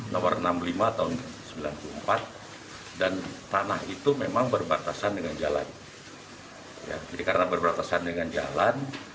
nomor enam puluh lima tahun seribu sembilan ratus sembilan puluh empat dan tanah itu memang berbatasan dengan jalan jadi karena berbatasan dengan jalan